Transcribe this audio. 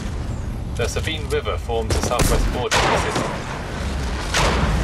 The Sabine River forms the southwest border of the city.